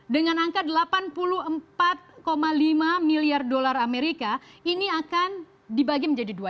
dengan angka delapan puluh empat lima miliar dolar amerika ini akan dibagi menjadi dua